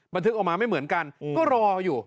นึกออกมาไม่เหมือนกันก็รออยู่